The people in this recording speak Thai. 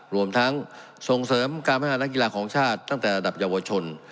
รวมทั้งส่งเสริมการพัฒนานักกีฬาของชาติตั้งแต่ระดับเยาวชน